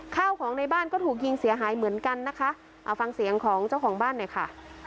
ข้าวของในบ้านก็ถูกยิงเสียหายเหมือนกันนะคะเอาฟังเสียงของเจ้าของบ้านหน่อยค่ะ